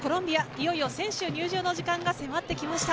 いよいよ選手入場の時間が迫ってきました。